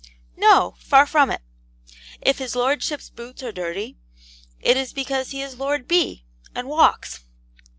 No; far from it. If his lordship's boots are dirty, it is because he is Lord B., and walks.